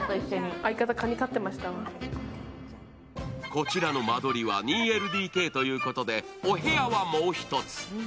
こちらの間取りは２ＬＤＫということでお部屋はもう一つ。